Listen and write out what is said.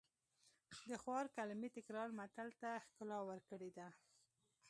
د خوار کلمې تکرار متل ته ښکلا ورکړې ده